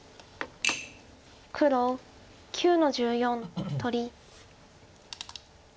黒９の十四取り。